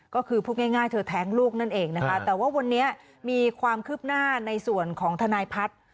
ก็คือพูดง่ายเธอแท้งลูกนั่นเองนะคะแต่ว่าวันนี้มีความคืบหน้าในส่วนของทนายพัฒน์